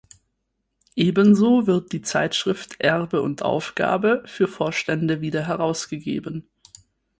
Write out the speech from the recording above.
Ebenso wird die Zeitschrift „Erbe und Aufgabe“ für Vorstände wieder herausgegeben.